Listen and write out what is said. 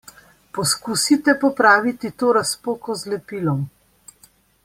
Poskusite popraviti to razpoko z lepilom.